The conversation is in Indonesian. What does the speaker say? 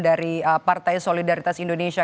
dari partai solidaritas indonesia